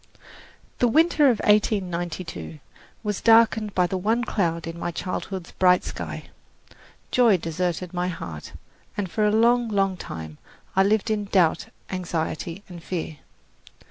CHAPTER XIV The winter of 1892 was darkened by the one cloud in my childhood's bright sky. Joy deserted my heart, and for a long, long time I lived in doubt, anxiety and fear.